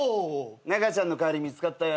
中ちゃんの代わり見つかったよ。